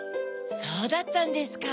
そうだったんですか。